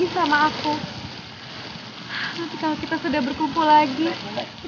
saya juga harus curi